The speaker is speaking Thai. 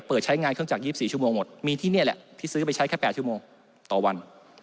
เปิดใช้งานเครื่องจักร๒๔ชั่วโมงหมดมีที่นี่แหละที่ซื้อไปใช้แค่๘ชั่วโมงต่อวัน